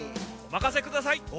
おまかせください。